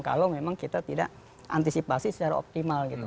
kalau memang kita tidak antisipasi secara optimal gitu